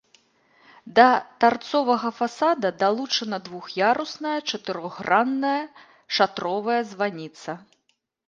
Да тарцовага фасада далучана двух'ярусная чатырохгранная шатровая званіца.